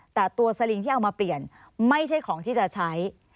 แต่ตัวสลิงที่เอามาเปลี่ยนไม่ใช่ของที่จะใช้